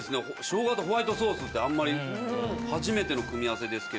しょうがとホワイトソースってあんまり初めての組み合わせですけれども。